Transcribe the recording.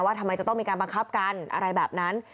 ทำไมจะต้องมีการบังคับกันอะไรแบบนั้น